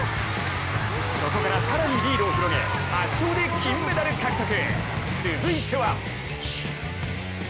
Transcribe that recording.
そこから更にリードを広げ、圧勝で金メダル獲得。